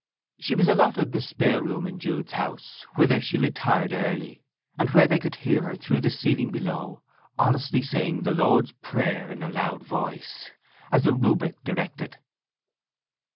She was allotted the spare room in Jude's house, whither she retired early, and where they could hear her through the ceiling below, honestly saying the Lord's Prayer in a loud voice, as the Rubric directed.